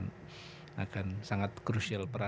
memiliki peran yang sangat krusial